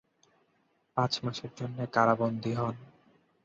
পাঁচ মাসের জন্যে কারাবন্দী হন।